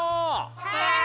はい！